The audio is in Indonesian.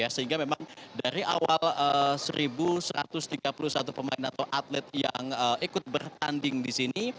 sehingga memang dari awal satu satu ratus tiga puluh satu pemain atau atlet yang ikut bertanding di sini